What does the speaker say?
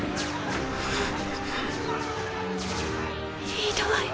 ひどい。